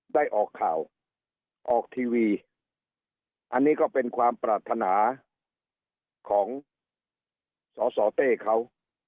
ได้ออกข่าวออกทีวีอันนี้ก็เป็นความปรารถนาของสสเต้เขา